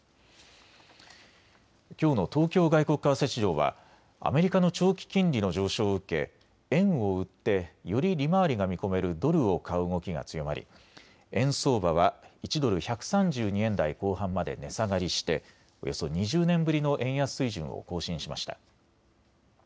きょうの東京外国為替市場はアメリカの長期金利の上昇を受け円を売って、より利回りが見込めるドルを買う動きが強まり円相場は１ドル１３２円台後半まで値下がりしておよそ２０年ぶりの円安水準を更新しました。